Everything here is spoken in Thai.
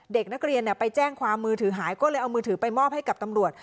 เด็กนักเรียนไปแจ้งความมือถือหายก็เลยเอามือถือไปมอบให้กับตำรวจ